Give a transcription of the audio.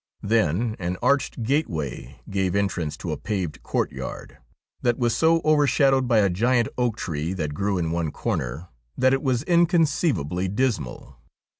Then an arched gateway gave en trance to a paved courtyard that was so overshadowed by a giant oak tree that grew in one corner, that it was incon ceivably dismal.